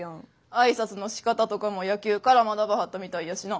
挨拶のしかたとかも野球から学ばはったみたいやしな。